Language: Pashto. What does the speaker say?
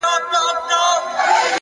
خپل وخت له ارزښت سره برابر کړئ،